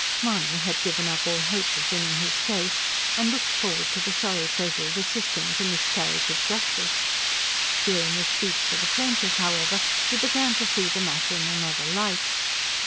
Mahony had given up all hope of winning his case, and looked forward to the sorry pleasure of assisting at a miscarriage of justice. During the speech for the plaintiff, however, he began to see the matter in another light.